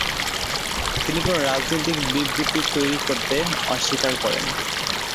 তিনি কোন রাজনৈতিক বিবৃতি তৈরি করতে অস্বীকার করেন।